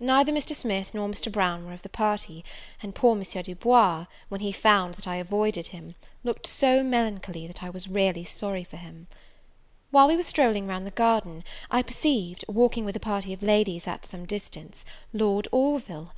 Neither Mr. Smith nor Mr. Brown were of the party; and poor M. Du Bois, when he found that I avoided him, looked so melancholy, that I was really sorry for him. While we were strolling round the garden, I perceived, walking with a party of ladies at some distance, Lord Orville!